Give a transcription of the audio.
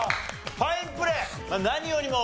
ファインプレー。